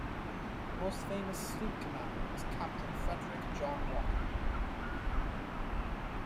The most famous sloop commander was Captain Frederic John Walker.